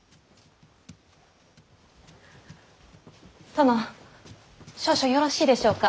殿少々よろしいでしょうか。